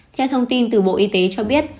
theo thông tin từ bộ y tế cho biết